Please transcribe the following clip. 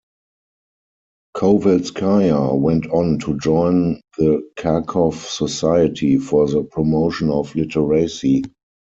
Kovalskaya went on to join the "Kharkov society" for the promotion of literacy.